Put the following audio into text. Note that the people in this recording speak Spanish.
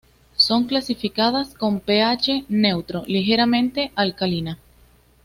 Son clasificadas con Ph neutro, ligeramente alcalina.